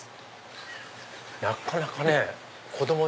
なかなかね子供に。